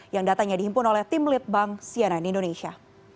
yang datanya dihimpun oleh tim litbang sianan indonesia